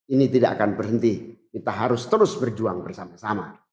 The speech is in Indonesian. ini tidak akan berhenti kita harus terus berjuang bersama sama